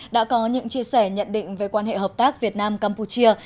đã có những chia sẻ nhận định về quan hệ hợp tác việt nam campuchia